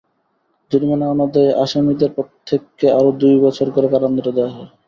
জরিমানা অনাদায়ে আসামিদের প্রত্যেককে আরও দুই বছর করে কারাদণ্ড দেওয়া হয়।